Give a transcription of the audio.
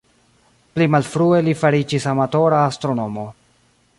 Pli malfrue li fariĝis amatora astronomo.